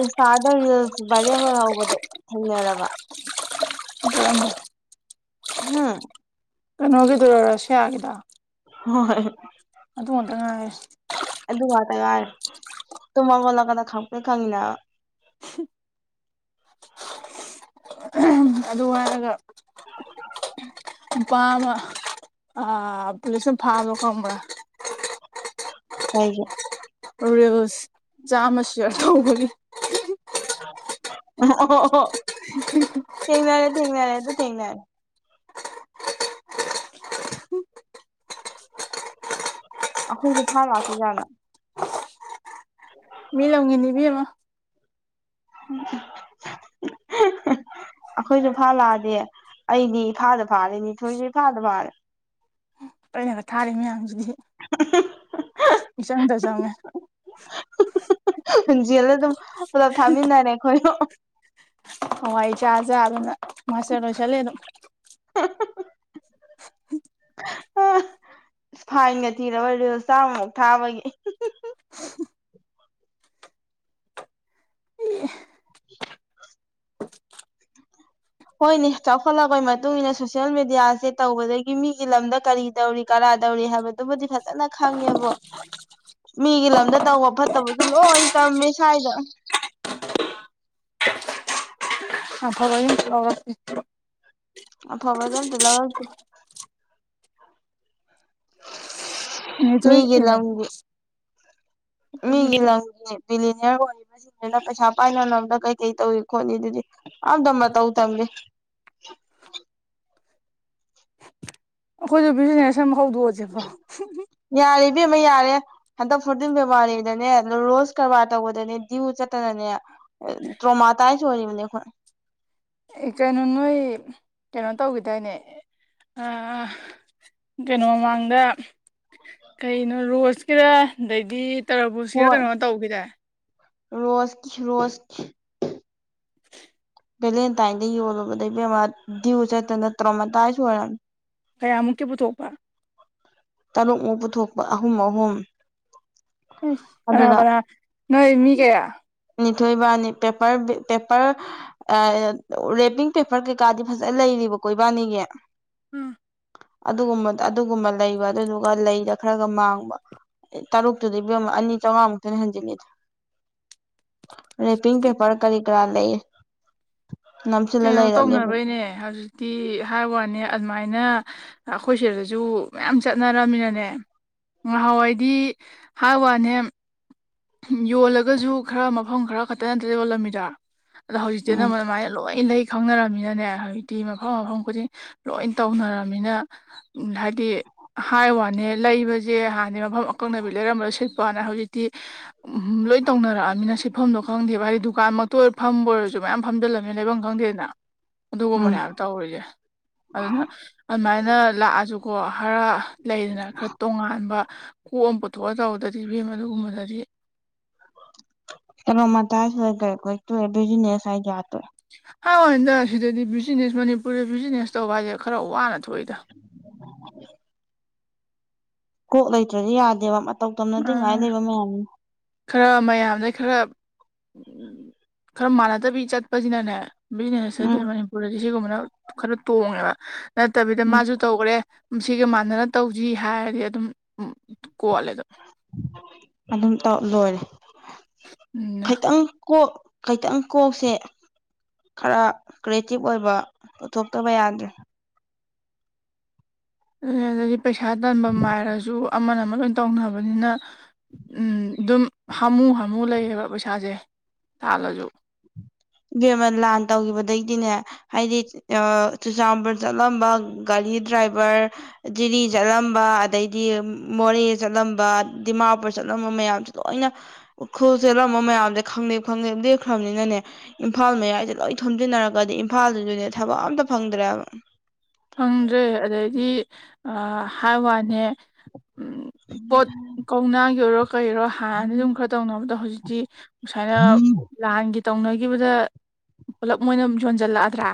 ꯏꯟꯁꯇꯥꯗ reels viral ꯑꯣꯏ ꯍꯧꯕꯗꯣ ꯊꯦꯡꯅꯔꯕ ꯎ ꯍꯥꯝ ꯀꯩꯅꯣꯒꯤꯗꯨꯔ ꯔꯁꯤꯌꯥꯒꯤꯗ ꯍꯣꯏ ꯍꯣꯏꯣꯏ ꯑꯗꯨ ꯑꯣꯏꯗ ꯉꯥꯏ ꯇꯔ ꯇꯨꯃ ꯃ ꯂꯧ ꯀꯗ ꯈꯄꯦ ꯈꯪꯉꯅ ꯎꯝ ꯑꯗꯨ ꯍꯥꯏꯔꯒ ꯅꯨꯄꯥ ꯑꯃ ꯑ ꯄꯨꯂ ꯁꯨꯝ ꯐꯥꯕꯣ ꯈꯝꯕ꯭ꯔ ꯍꯥꯏꯦ ꯔꯤꯜꯁ ꯆꯥꯃ ꯁꯤꯌꯥꯔ ꯇꯧꯧꯕꯅꯤ ꯑꯣ ꯊꯦꯡꯅꯔꯦ ꯊꯦꯡꯅꯔꯦ ꯑꯗꯨ ꯊꯦꯡꯅꯔꯦ ꯑꯈꯣꯏꯁꯨ ꯊꯔꯁꯨꯦꯖ ꯃꯤ ꯂꯥꯎꯒꯤꯅꯤꯕꯤ ꯍꯃ ꯎ [inaudible] ꯑꯩꯈꯣꯏꯁꯨ ꯐꯥꯂꯛꯑꯗꯤꯦ ꯑꯩꯗꯤ ꯏꯐꯥꯗ ꯐꯥꯔꯦ ꯅꯤꯊꯣꯏꯁꯨ ꯏꯝꯐꯥꯗ ꯐꯥꯔꯦ ꯄꯜꯂꯒ ꯊꯥꯔꯤ ꯃꯌꯥꯝꯁꯤꯗꯤ ꯃꯤꯆꯪꯗ ꯆꯪꯉꯦ ꯖꯦꯜꯗ ꯑꯗꯨꯝ ꯄꯨꯂꯞ ꯊꯥꯃꯤꯟꯅꯔꯦ ꯑꯩꯈꯣꯏꯅꯣ ꯍꯋꯥꯏꯆꯥꯥꯖꯥ ꯑꯗꯨꯅ ꯃꯥꯁꯇꯔ ꯂꯣꯏꯁꯜꯂꯦ ꯑꯗꯨꯝ ꯏꯁ ꯐꯥꯏꯟꯒ ꯊꯤꯔꯕ ꯔꯤꯜ ꯆꯥꯝꯃꯃꯨꯛ ꯊꯥꯕꯒꯤ [unintelligible] ꯍꯣꯏꯅꯦ ꯆꯥꯎꯈꯠꯂꯛꯄꯒꯤ ꯃꯇꯨꯡ ꯃꯇꯨꯡꯏꯟꯅ ꯁꯣꯁꯤꯌꯦꯜ ꯃꯦꯗꯤꯌꯥꯁꯦ ꯇꯧꯕꯗꯒꯤ ꯃꯤꯒꯤ ꯂꯝꯗ ꯀꯔꯤ ꯇꯧꯔꯤ ꯀꯔꯥꯏ ꯗꯧꯔꯤ ꯍꯥꯏꯕꯗꯨꯕꯨꯗꯤ ꯐꯖꯅ ꯈꯪꯉꯦꯕꯣ ꯃꯤꯒꯤ ꯂꯝꯗ ꯇꯧꯕ ꯐꯠꯇꯕꯗꯨ ꯂꯣꯏ ꯇꯝꯃꯦ ꯁ꯭ꯋꯥꯏꯗ [inaudible] ꯑ ꯐ ꯆꯂꯣ ꯑꯐꯕꯖꯝꯗ ꯂꯧꯔ ꯃꯤꯇ ꯃꯤꯂ ꯕꯤꯂꯤꯅꯤꯌꯔ ꯑꯣꯏꯔꯤꯕꯁꯤꯡꯁꯤꯅ ꯄꯩꯁꯥ ꯄꯥꯏꯅꯅꯕꯝꯗ ꯀꯩ ꯀꯩ ꯇꯧꯏ ꯈꯣꯠꯂꯤ ꯑꯗꯨꯗꯤ ꯑꯝꯇ ꯃꯇꯧ ꯇꯝꯃꯤ [inaudible] ꯑꯩꯈꯣꯏꯁꯨ ꯕꯤꯖꯤꯅꯦꯁ ꯑꯃ ꯍꯧꯗꯣꯛꯑꯁꯕ꯭ꯔꯣ ꯅꯨꯕꯤ ꯑꯃ ꯌꯥꯔꯦ ꯍꯟꯗꯛ ꯐꯣꯔꯇꯤꯟ ꯐꯦꯕꯋꯥꯔꯤꯗꯅꯦ ꯑꯣ ꯔꯣꯁ ꯀꯔꯕꯥꯔ ꯇꯧꯕꯗꯅꯦ ꯗꯗꯤꯌꯨ ꯆꯠꯇꯅꯅꯦ ꯇ꯭ꯔꯣꯃ ꯇꯥꯏ ꯆ ꯑꯣꯏꯔꯤ ꯃꯣꯏ ꯀꯩꯅꯣ ꯅꯣꯏ ꯀꯩꯅꯣ ꯇꯧꯈꯤꯗꯣꯏꯅꯦ ꯀꯩꯅꯣ ꯃꯃꯥꯡꯗ ꯀꯩꯅꯣ ꯔꯣꯁꯀꯤꯔꯥ ꯑꯗꯩꯗꯒꯤ ꯇꯔꯕꯨꯁꯤꯔ ꯍꯣꯏ ꯀꯩꯅꯣ ꯇꯧꯈꯤꯗꯦ ꯔꯣꯁꯀꯤ ꯔꯣꯁ ꯦꯂꯦꯟꯇꯥꯏꯟꯗ ꯌꯣꯜꯂꯨꯕꯗꯩ ꯕꯦꯝꯃ ꯗꯤꯌꯁꯠꯇ ꯅꯠꯇ꯭ꯔꯣ ꯑꯃ ꯇꯥꯏꯁꯨ ꯑꯣꯏꯔꯅꯤ ꯀꯌꯥꯃꯨꯛꯀꯤ ꯄꯨꯊꯣꯛꯄ ꯇꯔꯨꯛ ꯑꯃꯨ ꯄꯨꯊꯣꯛꯄ ꯑꯍꯨꯝ ꯑꯍꯨꯝ ꯑꯁ ꯀꯅꯥ ꯑꯗꯨꯅ ꯀꯅꯥ ꯅꯣꯏ ꯃꯤ ꯀꯌꯥ ꯅꯤꯊꯣꯏꯕꯅꯤ ꯄꯦꯄꯔ ꯔꯦꯄꯤꯡ ꯄꯦꯄꯔ ꯀꯩꯀꯥꯗꯤ ꯐꯖ ꯂꯩ ꯕ ꯀꯣꯏꯕꯥꯅꯤꯉ ꯎꯝ ꯑꯗꯨꯒꯨꯝꯕ ꯑꯗꯨꯒꯨꯝꯕ ꯂꯩꯕ ꯑꯗꯨꯗꯨꯒ ꯂꯩꯗ ꯈꯔꯒ ꯃꯥꯡꯕ ꯑꯦ ꯇꯔꯨꯛꯇꯨꯗꯤꯕ ꯑꯅꯤꯥꯝꯉꯥꯃꯨꯛꯇꯅ ꯍꯟꯖꯤꯟꯜꯂꯤꯗ ꯑ ꯄꯤ ꯄꯦꯄꯔ ꯀꯔꯤ ꯀ꯭ꯔ ꯂꯩ ꯅꯝꯁꯤꯜꯂ ꯀꯩꯅꯣ ꯂꯩꯔꯕꯅꯦ ꯑꯗꯨꯝ ꯇꯧꯅꯔꯣꯏꯅꯦ ꯍꯧꯖꯤꯛꯇꯤ ꯍꯥꯏ ꯋꯥꯅꯤ ꯑꯗꯨꯃꯥꯏꯅ ꯑꯩꯈꯣꯏ ꯁꯤꯗꯁꯨ ꯃꯌꯥꯝ ꯆꯠꯅꯔꯝꯃꯤꯅꯅꯦ ꯉꯍꯥꯟꯋꯥꯏꯗꯤ ꯍꯥꯏ ꯋꯥꯅꯦ ꯌꯣꯜꯂꯒꯁꯨ ꯈꯔ ꯃꯐꯝ ꯈꯔ ꯈꯛꯇ ꯅꯠꯇꯦ ꯌꯣꯜꯂꯝꯃꯤꯗ ꯑꯗꯣ ꯍꯧꯖꯤꯛꯇꯤ ꯎꯝ ꯅꯅ ꯑꯗꯨꯃꯅ ꯂꯣꯏꯅ ꯂꯩ ꯈꯪꯅꯔꯝꯃꯤꯅꯅꯦ ꯍꯧꯖꯤꯛꯇꯤ ꯃꯐꯝ ꯃꯐꯝ ꯈꯨꯗꯤꯡ ꯂꯣꯏ ꯇꯧꯅꯔꯕꯅꯤꯅ ꯍꯥꯏꯗꯤ ꯍꯥꯏ ꯋꯥꯅꯦ ꯂꯩꯕꯁꯦ ꯍꯥꯟꯗꯤ ꯃꯐꯝ ꯑꯀꯛꯅꯕꯤ ꯂꯩꯔꯝꯕꯗꯣ ꯁꯤꯠꯄ ꯋꯥꯅ ꯍꯧꯖꯤꯛꯇꯤ ꯎ ꯂꯣꯏ ꯇꯧꯅꯔꯛꯑꯃꯤꯅ ꯁꯤꯐꯝꯗꯣ ꯈꯪꯗꯦꯕ ꯍꯥꯏꯗꯤ ꯗꯨꯀꯥꯟꯃꯛꯇ ꯑꯣꯏ ꯐꯝꯕ ꯑꯣꯏꯔꯁꯨ ꯃꯌꯥꯝ ꯐꯝꯖꯤꯜꯂꯝꯕꯃꯦ ꯂꯩꯐꯝ ꯈꯪꯗꯦꯕ ꯅ ꯎꯝ ꯑꯗꯨꯒꯨꯝꯕꯅꯦꯌꯥꯝ ꯇꯧꯔꯤꯁꯦ ꯑꯗꯨꯅ ꯑꯗꯨꯃꯥꯏꯅ ꯂꯥꯛꯑꯁꯨꯀꯣ ꯍꯥꯔ ꯂꯩꯗꯅ ꯈꯔ ꯇꯣꯉꯥꯟꯕ ꯀꯣꯛ ꯑꯃ ꯄꯨꯊꯣꯛꯑꯒ ꯇꯧꯗꯗꯤ ꯐꯚꯦꯝ ꯑꯗꯨꯒꯨꯝꯕꯗꯗꯤ ꯀꯔ ꯃ ꯇꯖ ꯑꯣꯏ ꯀ ꯀ ꯇꯕ ꯅꯦꯁꯥꯏ ꯌꯥ ꯇ ꯍꯟꯗ ꯁꯤꯗꯗꯤ ꯕꯤꯖꯤꯅꯦꯁ ꯃꯅꯤꯄꯨꯔꯗ ꯕꯤꯖꯤꯅꯦꯁ ꯇꯧꯕ ꯍꯥꯏꯁꯦ ꯈꯔ ꯋꯥꯅ ꯊꯗ ꯀꯣꯂꯣꯏꯇꯔꯤ ꯌꯥꯗꯦꯕ ꯃ ꯎ ꯈꯔ ꯃꯌꯥꯝꯗꯩ ꯈꯔ ꯎ ꯈꯔ ꯃꯥꯟꯅꯗꯕꯤ ꯆꯠꯄꯁꯤꯅꯅꯦ ꯕꯤꯖꯤꯅꯦꯁ ꯍꯥꯏꯗꯤ ꯎꯝ ꯃꯅꯤꯄꯨꯔꯗꯗꯤ ꯁꯤꯒꯨꯝꯕꯅ ꯈꯔ ꯇꯣꯡꯉꯦꯕ ꯅꯠꯇꯕꯤꯗ ꯎꯝ ꯃꯥꯁꯨ ꯇꯧꯈ꯭ꯔꯦ ꯁꯤꯒ ꯃꯥꯟꯅꯅ ꯇꯧ ꯖꯤ ꯍꯥꯏꯔꯗꯤ ꯑꯗꯨꯝ ꯀꯣꯜꯂꯦꯗꯝ ꯑꯗꯨꯝ ꯇꯧ ꯂꯣꯏꯔꯦ ꯈꯤꯇꯪ ꯀꯣꯛ ꯀꯇꯪ ꯀꯣꯛꯁꯦ ꯈꯔ ꯀ꯭ꯔꯤꯌꯦꯇꯤꯞ ꯑꯣꯏꯕ ꯄꯨꯊꯣꯛꯇꯕ ꯌꯥꯗ꯭ꯔꯦ ꯑꯗꯨ ꯑꯗꯨꯗꯤ ꯄꯩꯁꯥ ꯇꯟꯐꯝ ꯃꯥꯏꯔꯁꯨ ꯑꯃꯅ ꯑꯃ ꯑꯣꯏꯅ ꯑꯣꯏꯅ ꯇꯧꯅꯕꯅꯤꯅ ꯑꯗꯨꯝ ꯍꯥꯃꯨ ꯍꯥꯝꯃꯨ ꯂꯩꯌꯦꯕ ꯄꯩꯁꯥꯁꯦ ꯆꯥꯂꯣꯖꯣ ꯏꯦꯝꯃ ꯂꯥꯟ ꯇꯧꯈꯤꯕꯗꯒꯤꯗꯤꯅꯦ ꯍꯥꯏꯗꯤ ꯆꯨꯔꯆꯥꯟꯄꯨꯔ ꯆꯠꯂꯝꯕ ꯒꯥꯔꯤ ꯗ꯭ꯔꯥꯏꯚꯔ ꯖꯤꯔꯤ ꯆꯠꯂꯝꯕ ꯑꯗꯩꯗꯤ ꯃꯣꯔꯦ ꯆꯠꯂꯝꯕ ꯗꯤꯃꯥꯄꯨꯔ ꯆꯠꯂꯝꯕ ꯃꯌꯥꯝꯁꯦ ꯂꯣꯏꯅ ꯎꯈꯨꯜ ꯆꯦꯠꯂꯝꯕ ꯃꯌꯥꯝꯁꯦ ꯈꯪꯗꯦ ꯈꯪꯗꯦ ꯂꯦꯛꯞꯈ꯭ꯔꯕꯅꯤꯅꯅꯦ ꯏꯝꯐꯥꯜ ꯃꯌꯥꯏꯁꯦ ꯂꯣꯏ ꯊꯣꯝꯖꯤꯟꯅꯔꯒꯗꯤ ꯏꯝꯐꯥꯜꯗꯨꯗꯨꯅꯦ ꯊꯕꯛ ꯑꯝꯇ ꯐꯪꯗ꯭ꯔꯦꯕ ꯐꯪꯗ꯭ꯔꯦ ꯑꯗꯩꯗꯤ ꯍꯥꯏ ꯋꯥꯅꯦ ꯄꯣꯠ ꯀꯧꯅꯥꯒꯤ ꯑꯣꯏꯔꯣ ꯀꯩꯔꯣ ꯍꯥꯟꯅ ꯑꯗꯨꯝ ꯈꯔ ꯇꯧꯅꯕꯗ ꯍꯧꯖꯤꯛꯇꯤ ꯁꯨꯁꯥꯏꯅ ꯂꯥꯟꯒꯤ ꯇꯧꯅꯈꯤꯕꯗ ꯄꯨꯂꯞ ꯃꯣꯏꯅ ꯌꯣꯟꯁꯤꯜꯂꯛꯑꯗ꯭ꯔꯥ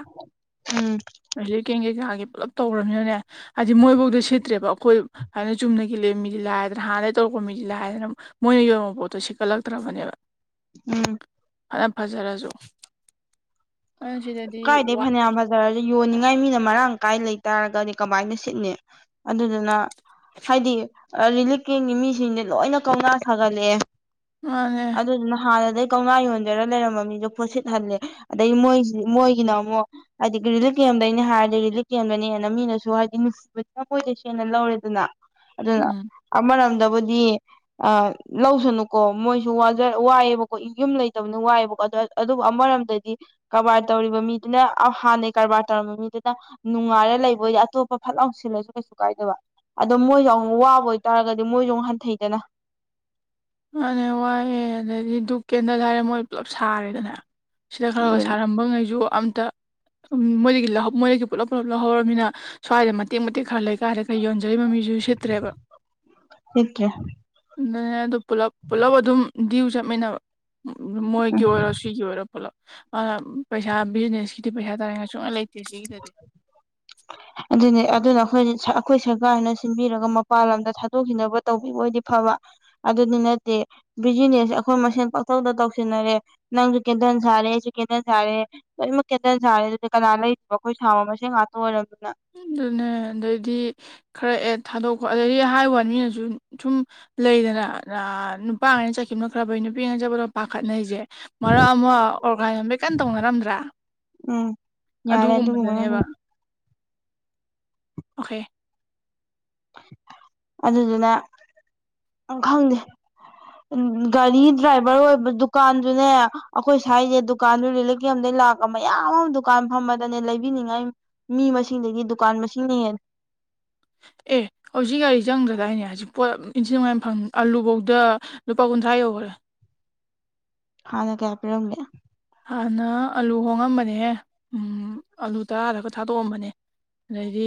ꯎꯝ ꯍꯧꯖꯤꯛ ꯄꯨꯂꯞ ꯇꯧꯃꯤꯅꯅꯦ ꯍꯥꯏꯗꯤ ꯃꯣꯏꯐꯧꯗ ꯁꯤꯠꯇ꯭ꯔꯦꯕ ꯑꯩꯈꯣꯏ ꯍꯥꯏꯅ ꯆꯨꯝꯅꯒꯤ ꯂꯩꯃꯤ ꯂ ꯍꯥꯏꯒ꯭ꯔ ꯃꯗꯩ ꯇꯧꯔꯛꯄ ꯃꯤꯗꯤꯗ ꯍꯥꯏꯗꯅ ꯃꯣꯏꯅ ꯌꯣꯟꯕ ꯄꯣꯠꯇꯣ ꯁꯤꯀꯠꯂꯛꯇ꯭ꯔꯕꯅꯦꯕ ꯎꯝ ꯑꯔ ꯐꯖꯔꯥꯖꯣ ꯀꯥꯏꯗꯦ ꯐꯅꯦ ꯑꯃꯖꯔ ꯌꯣꯟꯅꯤꯡꯉꯥꯏ ꯃꯤꯅ ꯃꯔꯥꯡ ꯀꯥꯏ ꯂꯩꯇꯥꯔꯒꯗꯤ ꯀꯃꯥꯏꯅ ꯁꯤꯠꯅꯤ ꯑꯗꯨꯗꯨꯅ ꯍꯥꯏꯗꯤ ꯔꯤꯂꯤꯞ ꯀꯦꯟꯒꯤ ꯃꯤꯁꯤꯡꯁ ꯂꯣꯏꯅ ꯀꯧꯅꯥ ꯁꯥꯒꯠꯂꯛꯑꯦ ꯃꯥꯅꯦ ꯑꯗꯨꯗ ꯑꯗꯨꯅ ꯍꯥꯔꯗ ꯀꯧꯅꯥ ꯌꯣꯟꯖꯔ ꯂꯩꯔꯝꯃ ꯃꯤꯗꯣ ꯐꯣꯠꯁꯤꯠꯍꯜꯂꯦ ꯑꯗꯩ ꯃꯣꯏ ꯃꯣꯏꯒꯤꯅ ꯑꯃꯨꯛ ꯍꯥꯏꯗꯤ ꯔꯤꯂꯤꯐ ꯀꯦꯝꯗꯅꯦ ꯍꯥꯏꯔꯗꯤ ꯔꯤꯂꯤꯐ ꯀꯦꯝꯗꯅꯦꯅ ꯃꯤꯅꯁꯨ ꯍꯥꯏꯗꯤ ꯅꯨꯡꯁꯤꯕ ꯁꯅ ꯂꯧꯔꯦꯗꯅ ꯑꯗꯨꯅ ꯎꯝ ꯑꯃꯔꯝꯗ ꯗꯕꯨꯗꯤ ꯂꯧꯁꯅꯨꯀꯣ ꯃꯣꯏꯁꯨ ꯋꯥꯏꯌꯦꯦꯕꯀꯣ ꯌꯨꯝ ꯂꯩꯇꯕꯅ ꯋꯥꯏꯦꯕꯀꯣ ꯑꯗꯨꯕꯨ ꯑꯃꯔꯣꯝꯗꯗꯤ ꯀꯔꯕꯥꯔ ꯇꯧꯔꯤꯕ ꯃꯤꯗꯨꯅ ꯍꯥꯟꯅꯩ ꯀꯔꯕꯥꯔ ꯇꯧꯔꯝꯕ ꯃꯤꯗꯨꯅ ꯅꯨꯡꯉꯥꯏꯔ ꯂꯩꯕ ꯑꯣꯏꯗꯗꯤ ꯑꯇꯣꯞꯄ ꯐꯠꯥꯎꯁꯤ ꯁꯨ ꯀꯩꯁꯨ ꯀꯥꯏꯗꯕ ꯑꯗꯣ ꯃꯣꯏꯁꯨꯎꯛ ꯋꯥꯕ ꯑꯣꯏꯇꯥꯔꯒꯗꯤ ꯃꯣꯏꯁꯨꯎꯨꯛ ꯍꯟꯊꯩꯗꯅ ꯑꯅꯦ ꯋꯥꯏꯑꯦ ꯑꯗꯩꯗꯤ ꯗꯨꯛ ꯀꯦꯟꯗꯜ ꯍꯥꯏꯔꯦ ꯃꯣꯏ ꯄꯨꯂꯞ ꯁꯥꯔꯦꯗꯅꯦ ꯁꯤꯗ ꯈꯔ ꯈꯔ ꯑꯗꯨꯅ ꯁꯥꯔꯝꯕ ꯉꯩꯁꯨ ꯑꯝꯇ ꯃꯣꯏꯗꯒꯤ ꯃꯣꯏꯗꯒꯤ ꯄꯨꯂꯞ ꯄꯨꯂꯞ ꯂꯧꯍꯧꯔꯕꯃꯤꯅ ꯁ꯭ꯋꯥꯏꯗ ꯃꯇꯦꯛ ꯃꯇꯦꯛ ꯈꯔ ꯂꯩ ꯀꯥꯏꯔꯒ ꯌꯣꯟꯖꯔꯤꯕ ꯃꯤ ꯖꯨꯁꯤ ꯊꯦꯕ ꯍꯠꯇꯦ ꯅꯦ ꯑ ꯄꯨꯂꯞ ꯄꯨꯜꯂꯞ ꯑꯗꯨꯝ ꯗ꯭ꯌꯎ ꯆꯠꯃꯤꯟꯅꯕ ꯃꯣꯏꯒꯤ ꯑꯣꯏꯔꯣ ꯁꯤꯒꯤ ꯑꯣꯏꯔꯣ ꯄꯨꯂꯞ ꯑꯗꯨꯅ ꯄꯩꯁꯥ ꯕꯤꯖꯤꯅꯦꯁꯀꯤꯗꯤ ꯄꯩꯁꯥ ꯇꯥꯔꯦꯉꯥꯏ ꯁꯨꯡꯉꯩ ꯂꯩꯇꯦ ꯁꯤꯁ ꯐꯔꯦ ꯑꯗꯨꯅꯦ ꯑꯗꯨꯅ ꯑꯩꯈꯣꯏ ꯑꯩꯈꯣꯏ ꯁꯔꯀꯥꯔꯅ ꯁꯤꯟꯕꯤꯔꯒ ꯃꯄꯥꯟ ꯂꯝꯗ ꯊꯥꯗꯣꯛꯈꯤꯅꯕ ꯇꯧꯕꯤꯕꯣꯏꯗꯤ ꯐꯕ ꯑꯗꯨꯗꯤ ꯅꯠꯇꯦ ꯕꯤꯖꯤꯅꯦꯁ ꯑꯩꯈꯣꯏ ꯃꯁꯦꯟ ꯄꯥꯛꯊꯪꯗ ꯇꯧꯁꯤꯟꯅꯔꯦ ꯅꯪꯁꯨ ꯀꯦꯟꯊ ꯁꯥꯔꯦꯁꯨ ꯀꯦꯟꯇꯜ ꯁꯥꯔꯦ ꯂꯣꯏꯅꯃꯛ ꯀꯦꯟꯇꯜ ꯁꯥꯔꯦ ꯑꯗꯨꯗꯤ ꯀꯅꯥ ꯂꯩꯇꯣ ꯑꯩꯈꯣꯏ ꯁꯥꯕ ꯃꯁꯤꯡ ꯉꯥꯛꯇ ꯑꯣꯏꯔꯕꯝꯅꯤꯅ ꯑꯗꯨꯅꯦ ꯑꯗꯩꯗꯤ ꯈꯔ ꯑꯦ ꯊꯥꯗꯣꯛꯄ ꯑꯗꯩꯗꯤ ꯍꯥꯏꯍ ꯋꯥ ꯃꯤꯅꯁꯨ ꯁꯨꯝ ꯂꯩꯗꯅ ꯅꯨꯄꯥ ꯉꯅ ꯆꯠꯈꯤꯕꯅꯣ ꯈ꯭ꯔꯕꯩ ꯅꯨꯄꯤꯉꯅ ꯆꯠꯄ꯭ꯔꯣ ꯄꯥꯈꯠꯅꯩꯁꯦ ꯃꯔꯛ ꯑꯃ ꯑꯣꯔꯒꯥꯟ ꯀꯟꯅ ꯇꯧꯅꯔꯝꯗ꯭ꯔꯥ ꯎꯝ ꯌꯥꯔꯦ ꯑꯗꯨꯒꯨꯝꯕ ꯑꯗꯨꯒꯨꯝꯕꯗꯅꯦꯕ ꯑꯣꯍꯦ ꯑꯗꯨꯗꯨꯅ ꯑ ꯈꯪꯗꯦ ꯎꯝ ꯒꯥꯔꯤ ꯗ꯭ꯔꯥꯏꯚꯔ ꯑꯣꯏꯕ ꯗꯨꯀꯥꯟꯗꯨꯅꯦ ꯑꯩꯈꯣꯏ ꯁꯥꯏꯁꯦ ꯗꯨꯀꯥꯟꯗꯨ ꯂꯩꯂꯛ ꯀꯝꯗ ꯂꯥꯛꯀ ꯃꯌꯥꯝ ꯑꯃ ꯗꯨꯀꯥꯟ ꯐꯝꯃꯗꯅꯦ ꯂꯩꯕꯤꯅꯤꯡꯉꯥꯏ ꯃꯤ ꯃꯁꯤꯡꯗꯩꯗꯤ ꯗꯨꯀꯥꯟ ꯃꯁꯤꯡꯅ ꯍꯦꯟꯅ [unintelligible] ꯑꯦ ꯍꯧꯖꯤꯛ ꯒꯥꯔꯤ ꯆꯪꯗ꯭ꯔꯗꯥꯏꯅꯦ ꯍꯧꯖꯤꯛ ꯄꯣꯠ ꯏꯟꯆꯤ ꯅꯨꯡꯉꯥꯏꯅ ꯐꯪ ꯑꯥꯂꯨꯐꯧꯗ ꯂꯨꯄꯥ ꯀꯨꯟꯊ꯭ꯔꯥ ꯌꯧꯈ꯭ꯔꯦ [inaudible] ꯍꯥꯟꯅ ꯀꯌꯥ ꯄꯔꯝ ꯂ ꯍꯥꯟꯅ ꯑꯂꯨ ꯍꯣꯡꯉꯝꯕꯅꯦ ꯑꯥꯂꯨ ꯇꯔꯥꯗꯒ ꯊꯥꯗꯣꯛꯑꯝꯕꯅꯦ ꯑꯗꯩꯗꯤ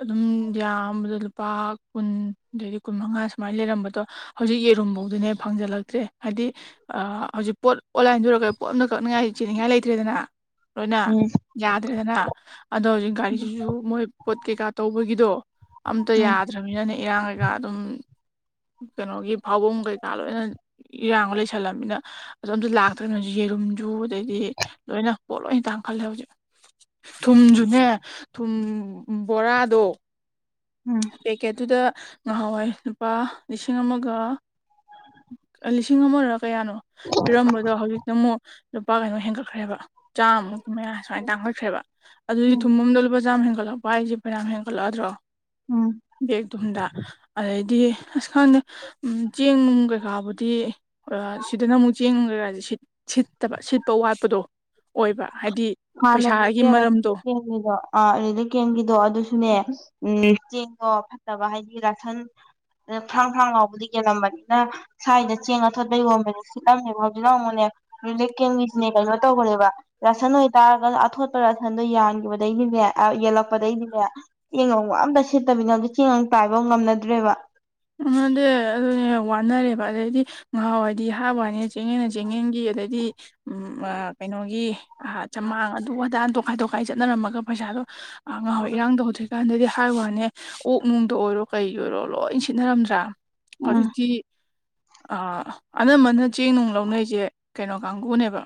ꯑꯗꯨꯝ ꯌꯥꯝꯕꯗ ꯂꯨꯄꯥ ꯀꯨꯟ ꯑꯗꯩꯗꯤ ꯀꯨꯟ ꯃꯉꯥ ꯁꯨꯃꯥꯏꯅ ꯂꯩꯔꯝꯕꯗꯣ ꯍꯧꯖꯤꯛ ꯌꯦꯔꯨꯝꯐꯧꯗꯨꯅꯦ ꯐꯪꯖꯜꯂꯛꯇ꯭ꯔꯦ ꯍꯥꯏꯗꯤ ꯍꯧꯖꯤꯛ ꯄꯣꯠ ꯑꯣꯟꯂꯥꯏꯟꯗꯨꯔꯒ ꯄꯣ ꯆꯤꯅꯤꯡꯉꯥꯏ ꯂꯩꯇ꯭ꯔꯦꯗꯅ ꯂꯣꯏꯅ ꯎꯝ ꯌꯥꯗ꯭ꯔꯦꯗꯅ ꯑꯗꯣ ꯍꯧꯖꯤꯛ ꯒꯥꯔꯤꯁꯤꯁꯨ ꯃꯣꯏ ꯄꯣꯠ ꯀꯩꯀꯥ ꯇꯧꯕꯒꯤꯗꯣ ꯑꯝꯇ ꯎꯝ ꯌꯥꯗ꯭ꯔꯃꯤꯅꯅꯦ ꯏꯔꯥꯡ ꯀꯩꯀꯥ ꯑꯗꯨꯝ ꯀꯩꯅꯣꯒꯤ ꯐꯥꯎꯕꯝ ꯀꯩꯀꯥ ꯂꯣꯏꯅ ꯏꯔꯥꯡ ꯂꯩꯁꯜꯂꯝꯃꯤꯅ ꯑꯗꯣ ꯑꯝꯇ ꯂꯥꯛꯇ꯭ꯔꯅꯁꯨ ꯌꯦꯔꯨꯝ ꯖꯨ ꯑꯗꯩꯗꯤ ꯂꯣꯏꯅ ꯄꯣꯠ ꯂꯣꯏ ꯍꯇꯥꯡ ꯈꯜꯂꯦ ꯍꯧꯖꯤꯛ ꯊꯨꯝꯁꯨꯅꯦ ꯊꯨꯝ ꯕꯣꯔꯥꯗꯣ ꯎꯝ ꯄꯦꯀꯦꯠꯇꯨꯗ ꯉꯍꯥꯎꯋꯥꯏ ꯂꯨꯄꯥ ꯂꯤꯁꯤꯡ ꯑꯃꯒ ꯂꯤꯁꯤꯡ ꯑꯃꯔꯛ ꯀꯌꯥꯅꯣ ꯄꯤꯔꯝꯕꯗꯣ ꯍꯧꯖꯤꯛꯇ ꯑꯃꯨꯛ ꯂꯨꯄꯥ ꯀꯩꯅꯣ ꯍꯦꯟꯒꯠꯈ꯭ꯔꯦꯕ ꯆꯥꯝꯃꯨꯛꯀꯤ ꯃꯌꯥ ꯁꯨꯃꯥꯏꯅ ꯇꯥꯡꯈꯠꯈ꯭ꯔꯦꯕ ꯑꯗꯨ ꯂꯤ ꯎꯝ ꯊꯨꯝꯕꯝꯗ ꯂꯨꯄꯥ ꯆꯥꯝꯃ ꯍ ꯂꯣ ꯄꯥꯏꯁꯦ ꯐꯦꯔꯝ ꯍꯡꯒꯂꯣ ꯑꯗꯨꯗꯣ ꯎꯝ ꯕꯒ ꯇꯨꯝꯗ ꯑꯗꯩꯗꯤ ꯑꯁ ꯈꯪꯗ ꯎ ꯆꯦꯡ ꯅꯨꯡ ꯀꯩꯀꯥꯕꯨꯗꯤ ꯁꯤꯗꯅ ꯑꯃꯨꯛ ꯆꯦꯡ ꯅꯨꯡ ꯀꯩꯀꯥꯁꯦ ꯁꯤꯠ ꯁꯤꯠ ꯐꯠꯇꯕ ꯁꯤꯠꯄ ꯋꯥꯠꯄꯗꯣ ꯑꯣꯏꯕ ꯍꯥꯏꯗꯤ ꯄꯩꯁꯥꯒꯤ ꯃꯔꯝꯗꯣ ꯍꯥꯟꯅꯅꯦꯒꯤꯗꯣ ꯑꯥ ꯑꯗ ꯀꯦꯡꯒꯤꯗꯣ ꯑꯗꯨꯁꯨꯅꯦ ꯎꯝ ꯆꯦꯡꯒꯣ ꯐꯠꯇꯕ ꯍꯥꯏꯗꯤ ꯔꯁꯟ ꯑꯗ ꯈ꯭ꯔꯥꯡ ꯈꯥꯡ ꯂꯥꯎꯕꯗꯤ ꯌꯦꯦꯜꯂꯝꯕꯅꯤꯅ ꯁ꯭ꯋꯥꯏꯗ ꯆꯦꯡ ꯑꯊꯣꯠꯄ ꯌꯣꯟꯕꯅꯦ ꯁꯤꯠꯂꯝꯃꯦꯕ ꯍꯧꯖꯤꯛ ꯂꯥꯎꯕꯅꯦ ꯀꯦꯝꯒꯤꯇꯅꯦ ꯀꯩꯅꯣ ꯇꯧꯈ꯭ꯔꯦꯕ ꯔꯁꯥ ꯅ ꯇꯥꯔꯒ ꯑꯊꯣꯠꯄ ꯔꯁꯟꯗꯣ ꯌꯥꯟꯈꯤꯕꯗꯩꯅꯤꯅꯦ ꯌꯦꯜꯂꯛꯄꯗꯒꯤꯅꯤꯅꯦ ꯌꯦꯡꯉꯨ ꯑꯝꯇꯠꯇ ꯅ ꯑꯗꯨ ꯆꯦꯡꯒ ꯇꯥꯏꯕ ꯉꯝꯅꯗ꯭ꯔꯦꯕ ꯎꯗ ꯑꯗꯨꯅꯦ ꯋꯥꯅꯔꯦꯕ ꯑꯗꯨꯗꯩꯗꯤ ꯉꯍꯥꯎꯋꯥꯗꯤ ꯍꯥꯞꯕ ꯍꯥꯏꯅꯦ ꯆꯤꯡꯉꯦꯅ ꯆ ꯑꯗꯩ ꯎ ꯀꯩꯅꯣ ꯆꯥꯡ ꯑꯗꯨ ꯑꯗꯥ ꯈꯥꯏ ꯇꯣꯛꯈꯥꯏ ꯆꯠꯅꯔꯝꯃꯒ ꯄꯩꯁꯥꯗ ꯑ ꯉꯍ ꯏꯔꯥꯡꯗꯧꯗ꯭ꯔꯤꯀꯥꯟꯗꯗꯤ ꯊꯋꯥꯥꯏ ꯋꯥꯅꯦ ꯑꯣꯛ ꯅꯨꯡꯗ ꯑꯣꯏꯔꯣ ꯀꯩꯒꯤ ꯑꯣꯏꯔꯣ ꯂꯣꯏ ꯁꯤꯠꯅꯔꯝꯗ꯭ꯔꯥ ꯎꯝ ꯀꯂꯦꯗꯤ ꯑꯅꯝꯕꯅ ꯆꯦꯡ ꯅꯨꯡ ꯂꯧꯅꯩꯁꯦ ꯀꯩꯅꯣ ꯀꯥꯡꯕꯨꯅꯦꯕ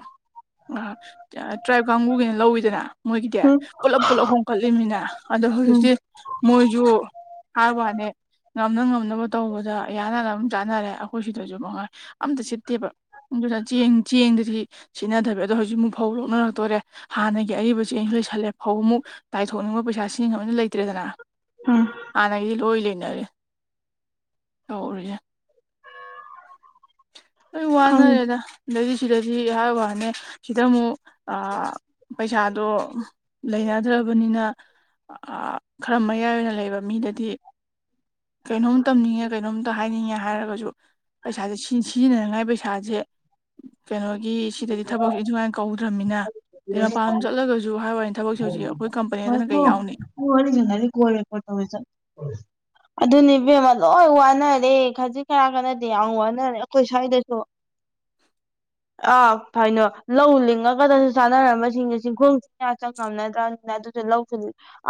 ꯇ꯭ꯔꯥꯏꯕ ꯀꯥꯡꯕꯨꯒꯤꯅ ꯂꯧꯋꯤꯗꯅ ꯃꯣꯏꯒꯤꯗꯤ ꯍꯝ ꯄꯨꯂꯞ ꯄꯨꯜꯂꯞ ꯍꯣꯡ ꯀꯠꯂꯤꯅꯤꯅ ꯑꯗꯣ ꯍꯧꯖꯤꯛ ꯎꯝ ꯃꯣꯏꯁꯨ ꯍꯥꯥꯕꯅꯦ ꯉꯝꯅ ꯉꯝꯅꯕ ꯇꯧꯕꯗ ꯌꯥꯅꯔ ꯑꯗꯨꯝ ꯆꯥꯅꯔꯦ ꯑꯩꯈꯣꯏ ꯁꯤꯗꯁꯨ ꯃꯉꯥꯏ ꯑꯝꯇ ꯁꯤꯠꯇꯦꯕ ꯑꯗꯨꯗ ꯆꯦꯡ ꯆꯦꯡꯗꯗꯤ ꯁꯤꯖꯤꯟꯅꯗꯕ ꯑꯗꯣ ꯍꯧꯖꯤꯛ ꯑꯃꯨꯛ ꯐꯧ ꯂꯣꯛꯅꯔꯛꯇꯣꯔꯦ ꯍꯥꯟꯅꯒꯤ ꯑꯔꯤꯕ ꯆꯦꯡꯁꯤ ꯂꯣꯏꯁꯜꯂꯦ ꯐꯧ ꯑꯃꯨꯛ ꯇꯥꯏꯊꯣꯛꯅꯤꯡꯕ ꯄꯩꯁꯥ ꯁꯤꯅꯤꯡꯕꯗꯤ ꯂꯩꯇ꯭ꯔꯦꯗꯅ ꯎꯝ ꯍꯥꯟꯅꯒꯤꯗꯤ ꯂꯣꯏ ꯂꯩꯅꯔꯦ ꯇꯧꯔꯤꯁꯦ ꯂꯣꯏ ꯈꯪ ꯋꯥꯅꯔꯦꯗ ꯑꯗꯩꯗꯤ ꯁꯤꯗꯗꯤ ꯏꯍ ꯋꯥꯅꯦ ꯁꯤꯗ ꯑꯃꯨꯛ ꯄꯩꯁꯥꯗꯣ ꯂꯩꯅꯗ꯭ꯔꯕꯅꯤꯅ ꯈꯔ ꯃꯌꯥꯏ ꯑꯣꯏꯅ ꯂꯩꯕ ꯃꯤꯗꯗꯤ ꯀꯩꯅꯣꯝ ꯇꯝꯅꯤꯡꯉꯦ ꯀꯩꯅꯣꯝꯇ ꯍꯥꯏꯅꯤꯡꯉꯦ ꯍꯥꯏꯔꯒꯁꯨ ꯄꯩꯁꯥꯥꯁꯦ ꯁꯤ ꯁꯤꯖꯤꯟꯅꯅꯤꯉꯥꯏ ꯄꯩꯁꯥꯁꯦ ꯀꯩꯅꯣꯒꯤ ꯁꯤꯗꯗꯤ ꯊꯕꯛꯁꯨ ꯑꯗꯨ ꯑꯗꯨꯃꯥꯏꯅ ꯀꯧꯗ꯭ꯔꯃꯤꯅ ꯑꯗꯩ ꯃꯄꯥꯟ ꯆꯠꯂꯒꯁꯨ ꯍꯥꯏꯔꯅꯤꯅꯦ ꯊꯕꯛꯁꯦ ꯍꯧꯖꯤꯛ ꯑꯩꯈꯣꯏ ꯍ ꯀꯝꯄꯅꯤꯗꯅ ꯀꯩ ꯍꯣ ꯌꯥꯎꯅꯤ ꯍ ꯋꯥꯔꯤꯅꯤ ꯅꯗꯤ ꯀꯣꯜ ꯄꯠꯇ ꯑꯣꯏ ꯆꯠ ꯑꯗꯨꯅꯦ ꯏꯕꯦꯝꯃ ꯂꯣꯏ ꯋꯥꯅꯔꯦ ꯈꯖꯤꯛ ꯈꯅꯥ ꯀꯥꯟꯅꯗꯦ ꯌꯥꯝ ꯋꯥꯅꯔꯦ ꯑꯩꯈꯣꯏ ꯁ꯭ꯋꯥꯏꯗꯁꯨ [inaudible] ꯑꯥ ꯐꯩꯅꯣ ꯂꯧ ꯂꯤꯡꯉꯒꯗꯁꯨ ꯆꯥꯟꯅꯔꯝꯕꯁꯤꯡꯁ ꯆꯤꯡꯈꯣꯡ ꯆ ꯆꯪꯉꯝꯅꯗ꯭ꯔꯅꯤꯅ ꯂꯧ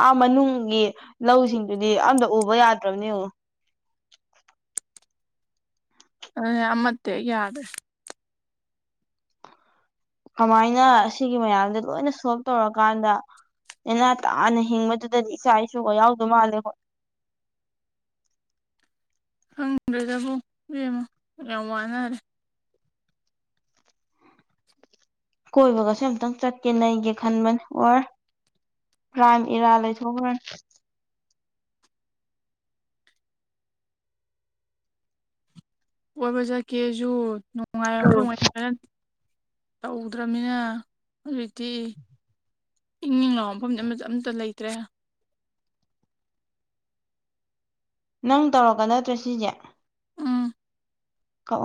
ꯑꯥ ꯃꯅꯨꯡꯒꯤ ꯂꯧꯁꯤꯡꯗꯨꯗꯤ ꯑꯝꯇ ꯎꯕ ꯌꯥꯗ꯭ꯔꯕꯅꯦꯉ [inaudible] ꯑ ꯃꯦ ꯌꯥꯔꯦ ꯀꯃꯥꯏꯅ ꯑꯁꯤꯒꯤ ꯃꯌꯥꯝꯁꯦ ꯂꯣꯏꯅ ꯁꯣꯜꯕ ꯇꯧꯔꯀꯥꯟꯗ ꯅꯅꯥ ꯇꯥꯅ ꯍꯤꯡꯕꯗꯨꯗꯗꯤ ꯏꯆꯥ ꯏꯁꯨꯒ ꯌꯥꯎꯗꯣꯏ ꯃꯥꯜꯂꯦ ꯍꯣꯏ [unintelligible] ꯈꯪꯗ꯭ꯔꯦꯗꯕꯨ ꯏꯦꯝꯃꯣ ꯌꯥꯝ ꯋꯥꯅꯔꯦ ꯀꯣꯏꯕꯒꯁꯨ ꯑꯝꯛꯇꯪ ꯆꯠꯀꯦ ꯅꯩꯒꯦ ꯈꯟꯕꯅꯤ ꯑꯣꯔ ꯄ꯭ꯔꯥꯏꯝ ꯏꯔꯥ ꯂꯩꯊꯣꯛꯈꯅ ꯑꯣꯏꯕ ꯆꯠꯀꯦꯁꯨ ꯅꯨꯡꯉꯥꯏꯕ ꯃꯐꯝ ꯑꯣꯏ ꯇꯧꯗ꯭ꯔꯕꯃꯤꯅ ꯍꯧꯖꯤꯛꯇꯤ ꯏꯪꯅꯤꯡꯂ ꯃꯐꯝꯗꯤ ꯑꯃ ꯑꯝꯇ ꯂꯩꯇ꯭ꯔꯦ ꯅꯪ ꯇꯧꯔꯛꯒ ꯅꯠꯇ꯭ꯔꯦ ꯁꯤꯁꯦ ꯎꯝ ꯀꯣ